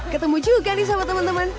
ketemu juga nih sama teman teman